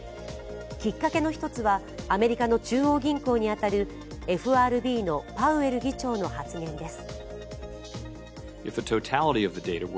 きっかけの一つはアメリカの中央銀行に当たるＦＲＢのパウエル議長の発言です。